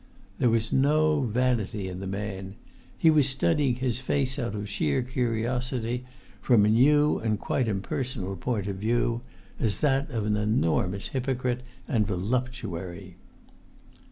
There was no vanity in the man; he was studying his face out of sheer curiosity, from a new and quite impersonal point of view, as that of an enormous hypocrite and voluptuary.